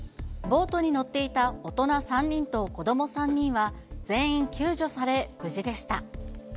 ボートに乗っていた大人３人と子ども３人は、全員救助され無事でした。